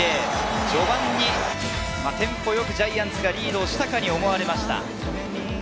序盤にテンポよくジャイアンツがリードしたかに思われました。